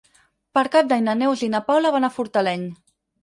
Per Cap d'Any na Neus i na Paula van a Fortaleny.